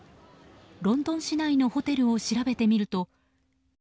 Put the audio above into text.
ロンドン市内のホテルを調べてみると。